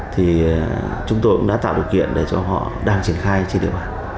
thì chúng tôi cũng đã tạo điều kiện để cho họ đang triển khai trên địa bàn